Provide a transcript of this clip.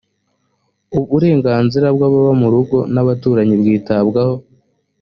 uburenganzira bw’ababa mu rugo n’abaturanyi bwitabwaho